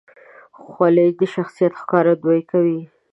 خولۍ د شخصیت ښکارندویي کوي.